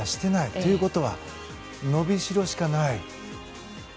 ということは伸びしろしかない。